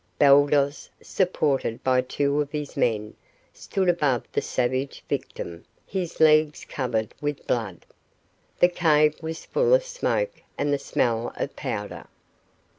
Baldos, supported by two of his men, stood above the savage victim, his legs covered with blood. The cave was full of smoke and the smell of powder.